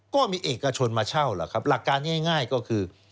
ก็มีเอกชนมาเช่าหลักการง่ายก็คือ